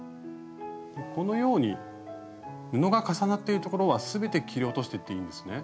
このように布が重なってる所は全て切り落としていっていいんですね？